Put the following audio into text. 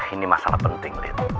ini masalah penting lid